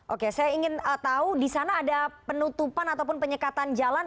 oke saya ingin tahu di sana ada penutupan ataupun penyekatan jalan